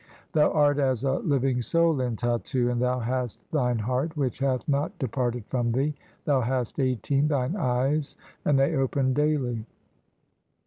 "Thou art as a living soul in Tattu and thou hast "thine heart, which hath not departed from thee. "Thou hast (18) thine eyes, and they open daily."